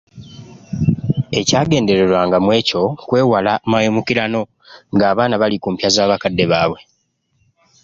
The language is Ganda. Ekyagendererwanga mu ekyo kwewala mawemukirano ng’abaana bali ku mpya za bakadde baabwe.